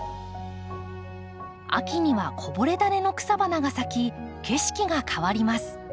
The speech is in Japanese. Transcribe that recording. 秋にはこぼれ種の草花が咲き景色が変わります。